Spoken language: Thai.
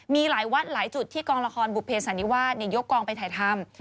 มีหลายวัดหลายจุดที่กองละครบุภเสันนิวาสยกกองไปถ่ายทำ